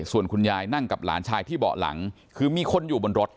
ส่วนคุณยายนั่งกับหลานชายที่เบาะหลังคือมีคนอยู่บนรถ